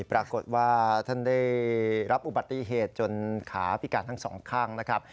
ปรากฏว่าท่านได้รับอุบัติเหตุจนขาพิการทั้งสองข้างนะครับ